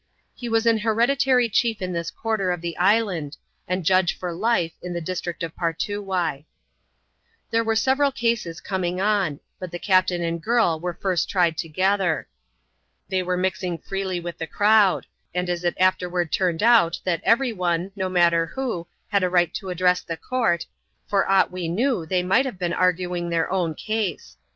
He was an hereditary chief in this quarter of the island, and judge for life in the district of Partoowye. There were sevei*al cases coming on ; but the captain and girl were first tried together. They were mixing freely with the crowd ; and as it afterward turned out that every one, no matter who, had a right to address the court, for aught we knew they might have been arguing their own case.